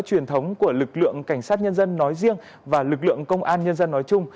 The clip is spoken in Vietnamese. truyền thống của lực lượng cảnh sát nhân dân nói riêng và lực lượng công an nhân dân nói chung